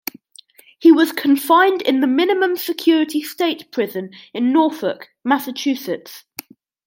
He was confined in the minimum security state prison in Norfolk, Massachusetts.